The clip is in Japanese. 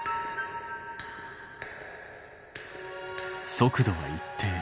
速度は一定。